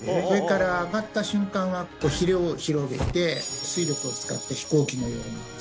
上からあがった瞬間はひれを広げて推力を使って飛行機のように。